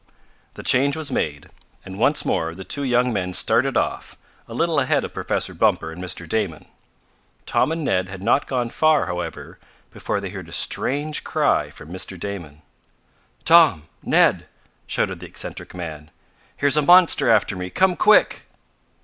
The change was made, and once more the two young men started off, a little ahead of Professor Bumper and Mr. Damon. Tom and Ned had not gone far, however, before they heard a strange cry from Mr. Damon. "Tom! Ned!" shouted the eccentric man, "Here's a monster after me! Come quick!"